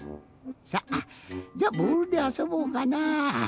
さあじゃボールであそぼうかなあ。